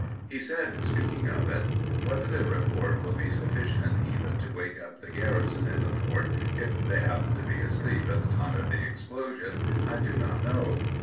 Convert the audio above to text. He said, in speak ing of it :" Whether the report will be suflS.cient even to wake up the garrison in the fort, if they happen to be asleep at the time of the explosion, I do not know.